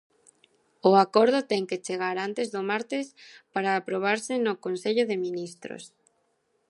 O acordo ten que chegar antes do martes para aprobarse no Consello de Minsitros.